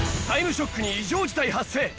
『タイムショック』に異常事態発生！